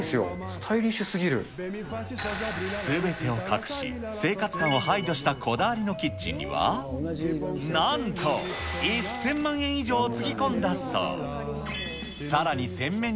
スタイリッシすべてを隠し、生活感を排除したこだわりのキッチンには、なんと１０００万円以上つぎ込んだそう。